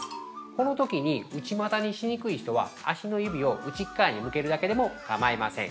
このときに、内股にしにくい人は足の指を内っかわに向けるだけでも構いません。